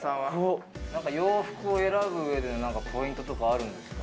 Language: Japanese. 洋服を選ぶ上でポイントとかあるんですか？